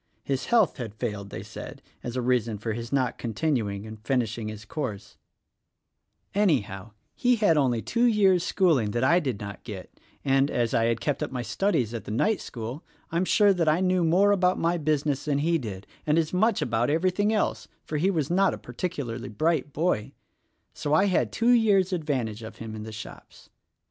His health had failed, they said, as a reason for his not continuing and finishing his course Anyhow, he had only two years^ schooling that I did not i 4 THE RECORDING ANGEL get, and, as I had kept up my studies at the night school, I'm sure that I knew more about my business than he did, and as much about everything else; for he was not a par ticularly bright boy. So I had two years advantage of him in the shops.